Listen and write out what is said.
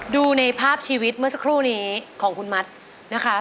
ดูในภาพชีวิตเมื่อสักครู่นี้ของคุณมัดนะคะ